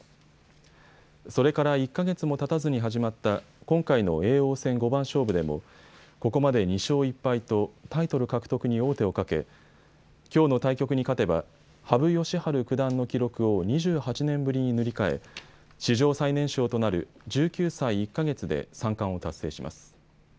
それから１か月もたたずに始まった今回の叡王戦五番勝負でもここまで２勝１敗とタイトル獲得に王手をかけきょうの対局に勝てば羽生善治九段の記録を２８年ぶりに塗り替え史上最年少となる１９歳１か月で三冠を達成します。